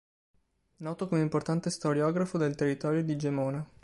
Noto come importante storiografo del territorio di Gemona.